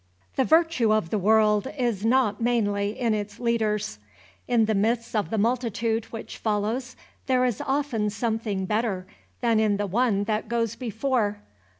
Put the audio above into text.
The virtue of the world is not mainly in its leaders. In the midst of the multitude which follows there is often something better than in the one that goes before.